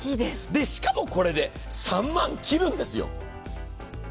しかもこれね、３万切るんですよ。